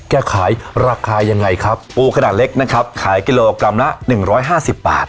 แก้ไขราคายังไงครับปูขนาดเล็กนะครับขายกิโลกรัมละหนึ่งร้อยห้าสิบบาท